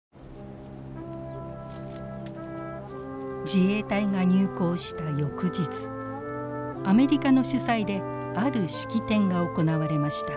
自衛隊が入港した翌日アメリカの主催である式典が行われました。